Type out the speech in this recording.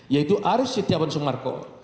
yaitu arief setiawan semarko